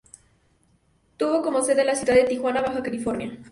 Tuvo como sede la ciudad de Tijuana, Baja California.